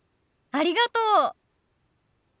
ありがとう。